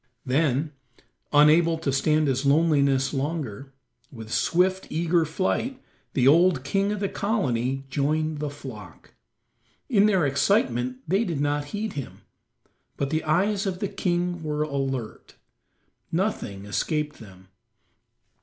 Then, unable to stand his loneliness longer, with swift, eager flight the old king of the colony joined the flock. In their excitement they did not heed him. But the eyes of the king were alert; nothing escaped them.